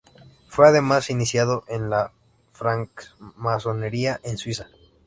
Fue además iniciado en la Francmasonería en Suiza.